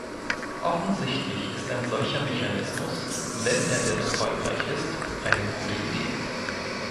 Offensichtlich ist ein solcher Mechanismus, wenn er denn erfolgreich ist, eine gute Idee.